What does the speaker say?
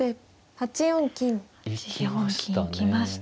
８四金行きましたね。